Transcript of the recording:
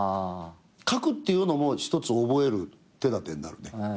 書くっていうのも一つ覚える手だてになるね。